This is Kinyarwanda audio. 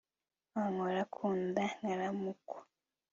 bankora ku nda nkaramukwa